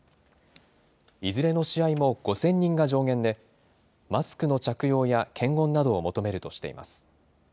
いずれの試合も５０００人が上限で、マスクの着用や検温などを求めるとしています。